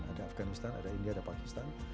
ada afganistan ada india ada pakistan